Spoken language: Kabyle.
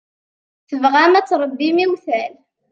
Tebɣam ad tṛebbim iwtal.